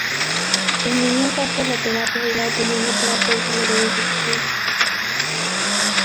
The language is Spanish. En ningún caso la terapia y la opinión del terapeuta le deben sustituir.